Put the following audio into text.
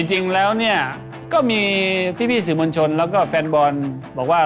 จริงแล้วมันก็มีพี่สิมลชนและก็แฟนบอลบัวว่า